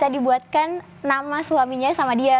dibuatkan nama suaminya sama dia